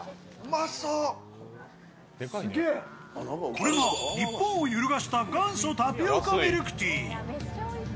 これが日本を揺るがした元祖タピオカミルクティー。